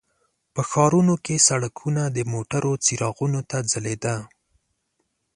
په ښارونو کې سړکونه د موټرو څراغونو ته ځلیده.